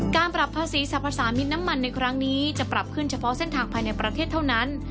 ปรับภาษีสรรพสามิตรน้ำมันในครั้งนี้จะปรับขึ้นเฉพาะเส้นทางภายในประเทศเท่านั้น